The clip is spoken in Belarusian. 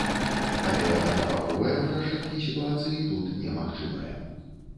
Але аднабаковае вырашэнне сітуацыі тут немагчымае.